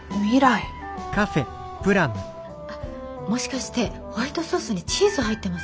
あっもしかしてホワイトソースにチーズ入ってます？